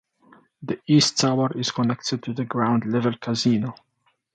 The East Tower is connected to the ground level casino.